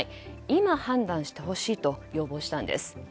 今、判断してほしいと要望したんです。